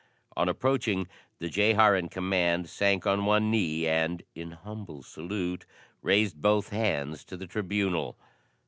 On approaching, the jehar in command sank on one knee and in humble salute raised both hands to the tribunal.